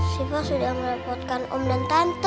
sifat sudah merepotkan om dan tante